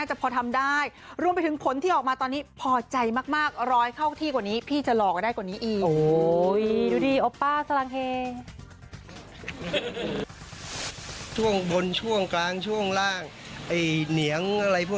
อยี่เหนียงอะไรพวกเนี่ยนะค่ะ